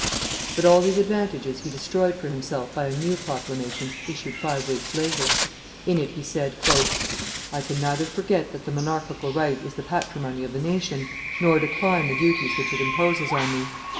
But all these advantages he destroyed for himself by a new proclamation issued five weeks later. In it he said, "I can neither forget that the monarchical right is the patrimony of the nation, nor decline the duties which it imposes on me.